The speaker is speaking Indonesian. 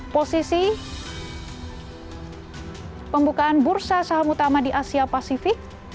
posisi pembukaan bursa saham utama di asia pasifik